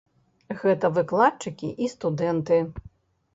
Гэта выкладчыкі і студэнты.